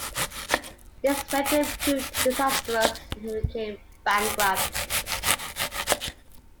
This venture proved disastrous, and he became bankrupt.